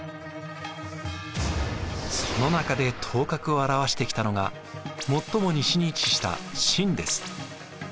その中で頭角を現してきたのが最も西に位置した秦です。